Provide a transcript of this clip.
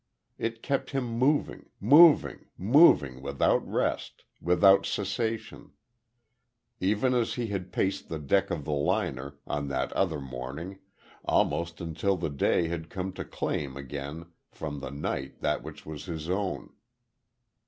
It kept him moving moving moving, without rest, without cessation; even as he had paced the deck of the liner, on that other morning, almost until the day had come to claim again from the night that which was its own.